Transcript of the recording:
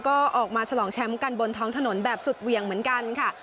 ก็ออกมาฉลองแชมป์กันบนท้องถนนแบบสุดเหวี่ยงเหมือนกันค่ะ